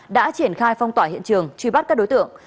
đã triển khai phong tỏa hiện trường truy bắt các đối tượng